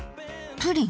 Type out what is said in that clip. プリン。